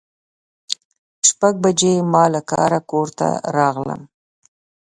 شپږ بجې ما له کاره کور ته راغلم.